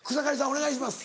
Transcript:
お願いします。